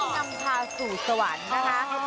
อ๋อต้องนำพาสู่สวรรค์นะคะ